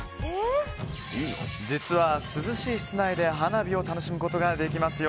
涼しい室内で花火を楽しむことができますよ。